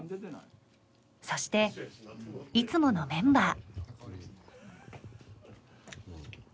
そしていつものメンバー。